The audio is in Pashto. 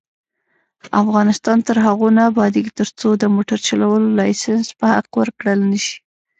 افغانستان تر هغو نه ابادیږي، ترڅو د موټر چلولو لایسنس په حق ورکړل نشي.